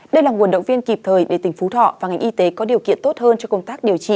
đây là nguồn động viên kịp thời để tỉnh phú thọ và ngành y tế có điều kiện tốt hơn cho công tác điều trị